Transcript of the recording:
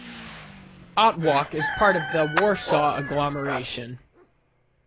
Otwock is a part of the Warsaw Agglomeration.